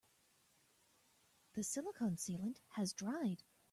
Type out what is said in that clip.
The silicon sealant has dried.